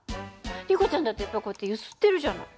リコちゃんだってやっぱこうやって揺すってるじゃない。